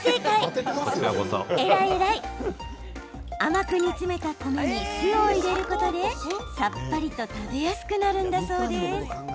甘く煮詰めた米に酢を入れることで、さっぱりと食べやすくなるんだそうです。